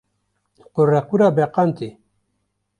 Qurequra beqan tê.